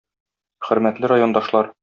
Хөрмәтле райондашлар!